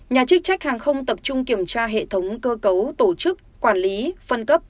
nhà chức trách hàng không tập trung kiểm tra hệ thống cơ cấu tổ chức quản lý phân cấp